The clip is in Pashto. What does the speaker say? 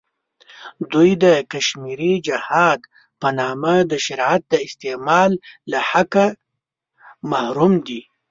دوی د کشمیري جهاد په نامه د شریعت د استعمال له حقه محروم دی.